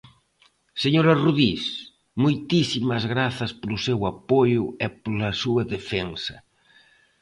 Señora Rodís, moitísimas grazas polo seu apoio e pola súa defensa.